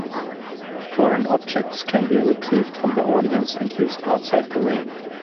Foreign objects can be retrieved from the audience and used outside the ring.